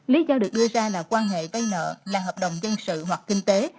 lý do được đưa ra là quan hệ vay nợ là hợp đồng dân sự hoặc kinh tế